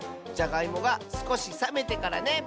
じゃがいもがすこしさめてからね！